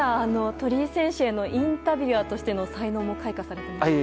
鳥居選手へのインタビュワーとしての才能も開花されていましたね。